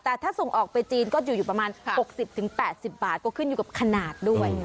แต่ถ้าส่งออกไปจีนก็อยู่ประมาณ๖๐๘๐บาทก็ขึ้นอยู่กับขนาดด้วย